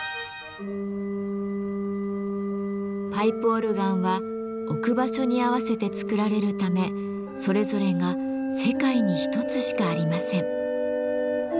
パイプオルガンは置く場所に合わせて作られるためそれぞれが世界に一つしかありません。